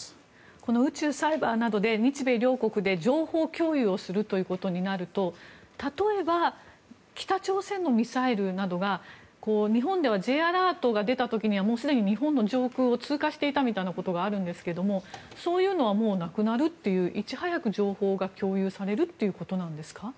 この宇宙、サイバーなどで日米両国で情報共有をするということになると、例えば北朝鮮のミサイルなどが日本ではＪアラートが出た時にはすでに日本の上空を通過していたみたいなことがあるんですけどそういうのはもうなくなるといういち早く情報が共有されるということなんですか？